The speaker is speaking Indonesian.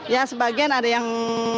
ya sebagian ada yang